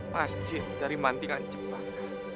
masjid dari mantingan jepang